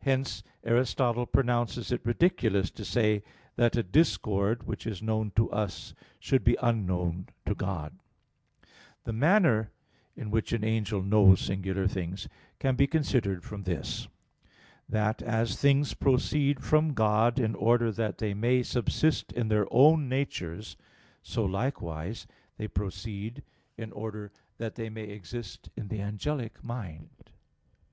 Hence Aristotle pronounces it ridiculous to say that a discord, which is known to us, should be unknown to God (De Anima i, text. 80; Metaph. text. 15). The manner in which an angel knows singular things can be considered from this, that, as things proceed from God in order that they may subsist in their own natures, so likewise they proceed in order that they may exist in the angelic mind.